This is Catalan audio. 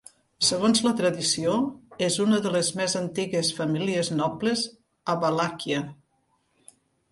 Segons la tradició, és una de les més antigues famílies nobles a Valàquia.